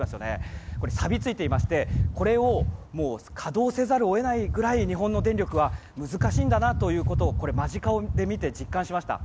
さび付いていましてこれを稼働せざるを得ないぐらい日本の電力は難しいんだなと間近で見て実感しました。